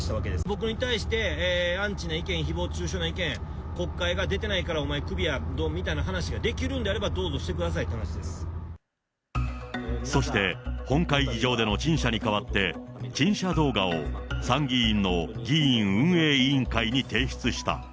僕に対して、アンチな意見、ひぼう中傷な意見、国会が出てないからお前、クビやみたいな話ができるんであれば、そして、本会議場での陳謝にかわって陳謝動画を参議院の議院運営委員会に提出した。